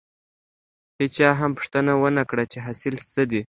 هېچا هم پوښتنه ونه کړه چې حاصل څه دی.